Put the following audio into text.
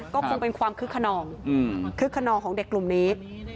ก็คงเป็นความคึกขนองคึกขนองของเด็กกลุ่มนี้